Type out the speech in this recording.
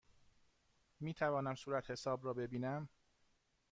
می توانم صورتحساب را ببینم؟